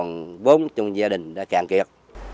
còn bốn trong gia đình đã cạn kiệt